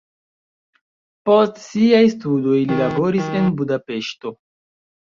Post siaj studoj li laboris en Budapeŝto.